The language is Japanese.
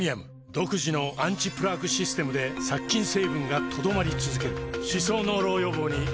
独自のアンチプラークシステムで殺菌成分が留まり続ける歯槽膿漏予防にプレミアム